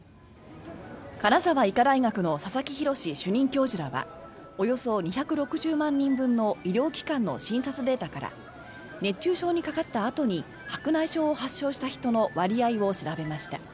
金沢医科大学の佐々木洋主任教授らはおよそ２６０万人分の医療機関の診察データから熱中症にかかったあとに白内障を発症した人の割合を調べました。